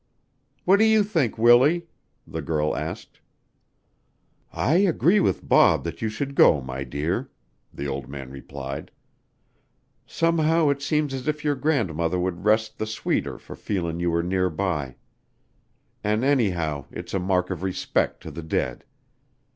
"What do you think, Willie?" the girl asked. "I agree with Bob that you should go, my dear," the old man replied. "Somehow it seems as if your grandmother would rest the sweeter for feelin' you were near by. An' anyhow, it's a mark of respect to the dead.